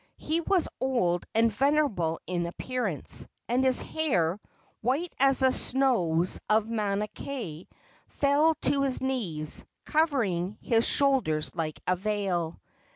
He was old and venerable in appearance, and his hair, white as the snows of Mauna Kea, fell to his knees, covering his shoulders like a veil.